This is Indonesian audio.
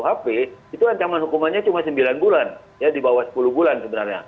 pasal dua ratus dua puluh satu kuhp itu ancaman hukumannya cuma sembilan bulan di bawah sepuluh bulan sebenarnya